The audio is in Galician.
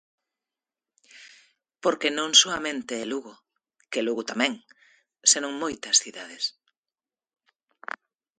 Porque non soamente é Lugo, que Lugo tamén, senón moitas cidades.